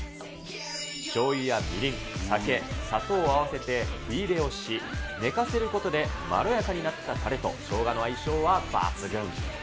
しょうゆやみりん、酒、砂糖を合わせて火入れをし、寝かせることでまろやかになったタレと生姜の相性は抜群。